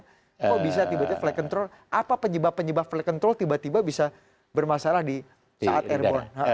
kok bisa tiba tiba flight control apa penyebab penyebab flight control tiba tiba bisa bermasalah di saat airborne